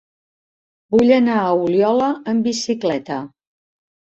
Vull anar a Oliola amb bicicleta.